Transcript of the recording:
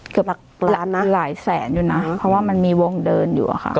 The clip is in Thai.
เกือบหลักล้านนะหลายแสนอยู่นะเพราะว่ามันมีวงเดินอยู่อะค่ะ